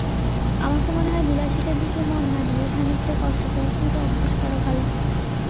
আমার তো মনে হয় বিলাসিতার দিকে মন না দিয়ে খানিকটা কষ্টসহিষ্ণুতা অভ্যাস করা ভালো।